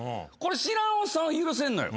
知らんおっさんは許せんのよ。